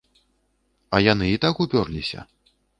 А яны і так уперліся.